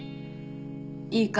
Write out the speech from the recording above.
「いいか？